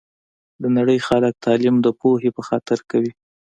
د نړۍ خلګ تعلیم د پوهي په خاطر کوي